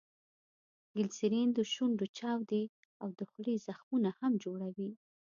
ګلیسرین دشونډو چاودي او دخولې زخمونه هم جوړوي.